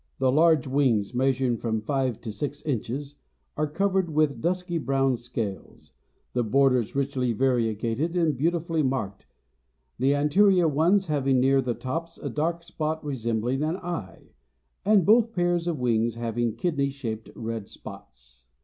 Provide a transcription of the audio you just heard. The large wings, measuring from five to six inches, are covered with dusky brown scales, the borders richly variegated and beautifully marked, the anterior ones having near the tops a dark spot resembling an eye, and both pairs of wings having kidney shaped red spots.